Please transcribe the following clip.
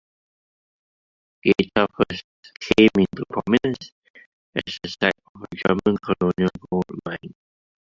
Geita first came into prominence as the site of a German colonial gold mine.